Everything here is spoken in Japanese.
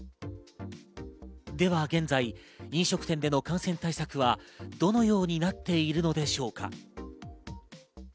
では現在、飲食店での感染対策はどのようになっているのでしょうか。